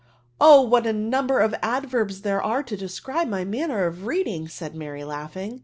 " Oh, what a number of adverbs there are to describe my manner of reading!" said Mary, laughing.